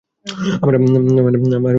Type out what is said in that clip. আমার নিজের জীবন আছে।